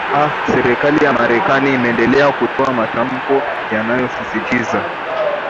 aa serikali ya marekani imeendelea kutoa matamko yanayosisitiza